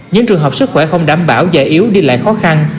những trường hợp sức khỏe không đảm bảo giờ yếu đi lại khó khăn